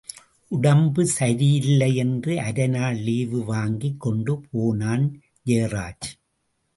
உடம்பு சரியில்லையென்று அரை நாள் லீவு வாங்கிக் கொண்டு போனான் ஜெயராஜ்.